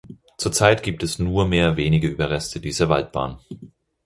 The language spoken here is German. Zur Zeit gibt es nur mehr wenige Überreste dieser Waldbahn.